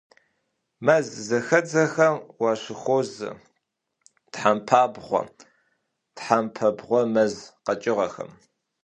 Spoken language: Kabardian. Мэззэхэдзэхэм уащыхуозэ тхьэмпабгъуэ, тхьэмпэ бгъузэ мэз къэкӀыгъэхэм.